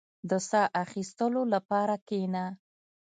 • د ساه اخيستلو لپاره کښېنه.